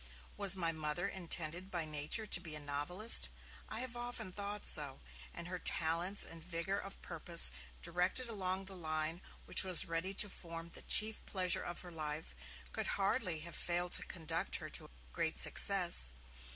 Was my Mother intended by nature to be a novelist? I have often thought so, and her talents and vigour of purpose, directed along the line which was ready to form 'the chief pleasure of her life', could hardly have failed to conduct her to great success.